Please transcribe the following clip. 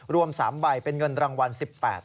รวม๓ใบเป็นเงินรางวัล๑๘บาท